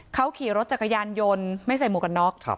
เขาขี่รถจักรยานยนต์ไม่ใส่หมวกกันน็อก